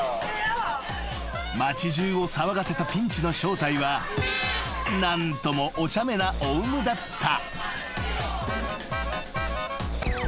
［町じゅうを騒がせたピンチの正体は何ともおちゃめなオウムだった］